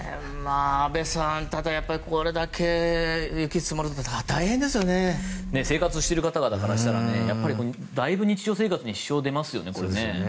安部さん、ただやっぱりこれだけ雪が積もると生活している方からしたらだいぶ日常生活に支障が出ますよね。